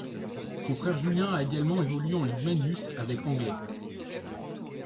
Son frère Julien a également évolué en Ligue Magnus avec Anglet.